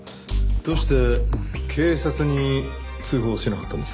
どうして警察に通報しなかったんです？